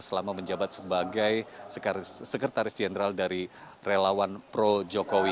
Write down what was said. selama menjabat sebagai sekretaris jeneral dari relawan projo kowe